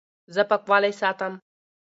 زه پاکوالی ساتم.